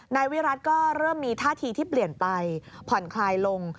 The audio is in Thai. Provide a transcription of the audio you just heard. นายวิรัติก็เริ่มมีท่าทีที่เปลี่ยนไปผ่อนคลายลง